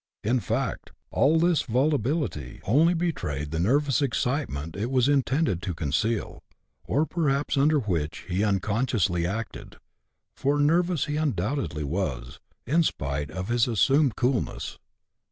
In fact, all this volubility only betrayed the nervous excitement it was intended to conceal, or perhaps under which he unconsciously acted ; for nervous he undoubtedly was, in spite of his assumed coolness.